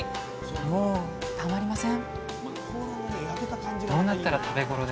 もうたまりません！